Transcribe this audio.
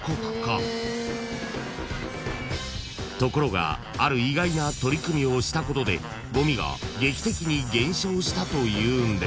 ［ところがある意外な取り組みをしたことでごみが劇的に減少したというんです］